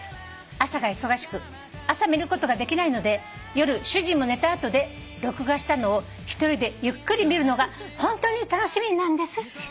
「朝が忙しく朝見ることができないので夜主人も寝た後で録画したのを１人でゆっくり見るのがホントに楽しみなんです」